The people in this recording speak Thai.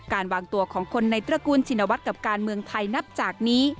การวางตัวของคนในตระกูลชินวัฒน์กับการเมืองไทยนับจากนี้